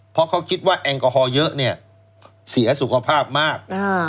เพราะเขาคิดว่าแอลกอฮอลเยอะเนี่ยเสียสุขภาพมาก